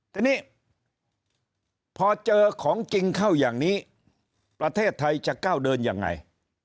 ทีนี้พอเจอของจริงเข้าอย่างนี้ประเทศไทยจะก้าวเดินยังไง